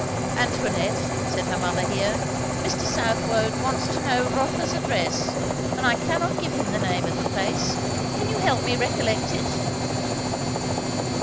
"Antoinette," said her mother here, "Mr. Southwode wants to know Rotha's address; and I cannot give him the name of the place. Can you help me recollect it?"